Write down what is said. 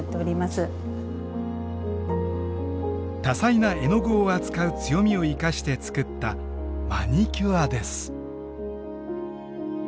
多彩な絵の具を扱う強みを生かして作ったマニキュアです。